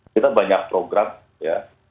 kita banyak program ya